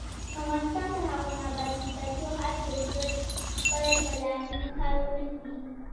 افغانستان تر هغو نه ابادیږي، ترڅو هر بزګر خپل پلاني کار ونکړي.